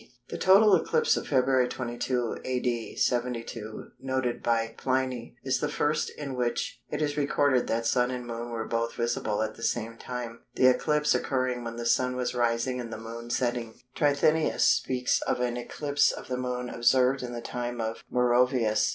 The total eclipse of Feb. 22, A.D. 72, noted by Pliny, is the first in which it is recorded that Sun and Moon were both visible at the same time, the eclipse occurring when the Sun was rising and the Moon setting. Trithenius speaks of an eclipse of the Moon observed in the time of Merovæus.